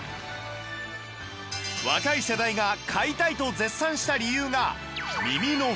若い世代が「買いたい」と絶賛した理由が